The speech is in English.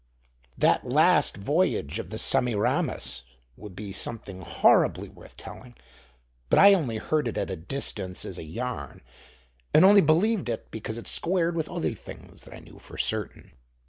That last voyage of the Semiramis would be something horribly worth telling; but I only heard it at a distance as a yarn, and only believed it because it squared with other things that I knew for certain.